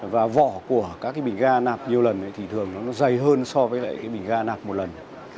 và vỏ của các cái bình ga nạp nhiều lần thì thường nó dày hơn so với lại cái bình ga nạp một lần